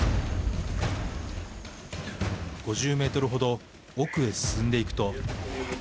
５０メートルほど奥へ進んでいくと。